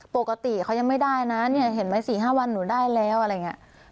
ปกติเขายังไม่ได้นะเนี่ยเห็นไหม๔๕วันหนูได้แล้วอะไรอย่างนี้